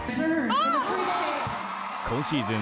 今シーズン